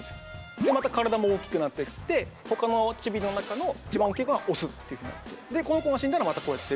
でまた体も大きくなってって他のチビの中の一番大きい子がオスっていうふうになってこの子が死んだらまたこうやって。